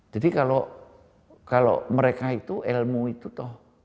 jadi kalau mereka itu ilmu itu tau